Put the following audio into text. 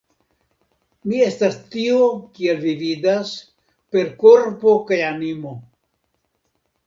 Mi estas tio, kiel vi vidas, per korpo kaj animo.